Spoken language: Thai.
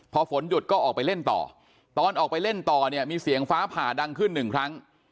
พอฝนหยุดก็ออกไปเล่นต่อตอนออกไปเล่นต่อเนี่ยมีเสียงฟ้าผ่าดังขึ้นหนึ่งครั้ง